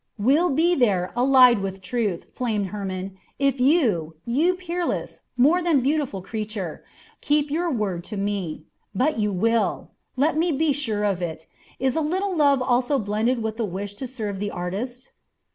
"Will be there, allied with truth," flamed Hermon, "if you, you peerless, more than beautiful creature, keep your word to me. But you will! Let me be sure of it. Is a little love also blended with the wish to serve the artist?"